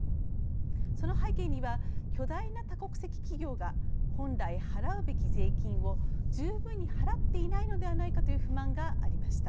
その背景には巨大な多国籍企業が本来払うべき税金を十分に払っていないのではないかという不満がありました。